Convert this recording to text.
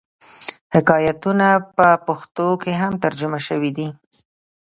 حکایتونه په پښتو کښي هم ترجمه سوي دي.